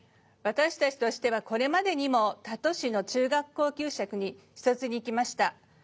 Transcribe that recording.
私たちとしてはこれまでにも他都市の中学校給食に視察に行きました。